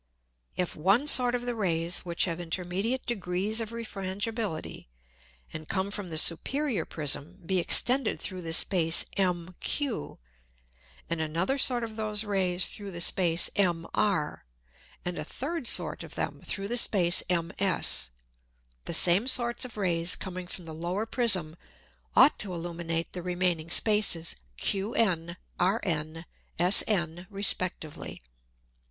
If one sort of the Rays which have intermediate Degrees of Refrangibility, and come from the superior Prism be extended through the Space MQ, and another sort of those Rays through the Space MR, and a third sort of them through the Space MS, the same sorts of Rays coming from the lower Prism, ought to illuminate the remaining Spaces QN, RN, SN, respectively.